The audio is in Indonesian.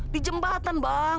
di jembatan bang